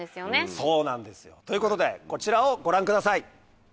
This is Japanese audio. そうなんですよ。ということでこちらをご覧ください。